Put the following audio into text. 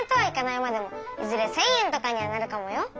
いまでもいずれ１，０００円とかにはなるかもよ。